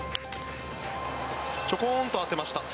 ちょこんと当てました。